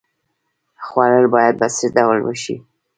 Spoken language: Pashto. خوړل باید په څه ډول وشي؟